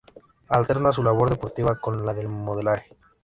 Alterna su labor deportiva con la de modelaje.